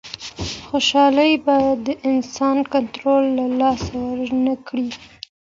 خوشحالي باید د انسان کنټرول له لاسه ورنکړي.